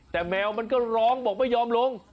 แต่แมวมันก็ร้องบอกไม่ยอมลง